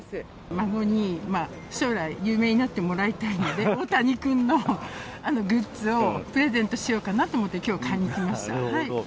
孫に将来、有名になってもらいたいので、大谷君のグッズをプレゼントしようかなと思って、きょう、なるほど。